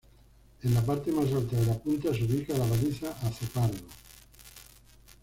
En la parte más alta de la punta se ubica la baliza Azopardo.